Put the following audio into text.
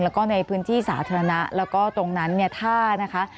แล้วก็ในพื้นที่สาธารณะแล้วก็ตรงนั้นเนี่ยถ้านะคะ